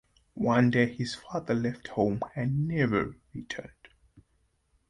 One day his father left home and never returned.